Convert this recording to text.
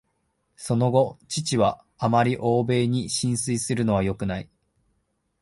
その後、父は「あまり欧米に心酔するのはよくない」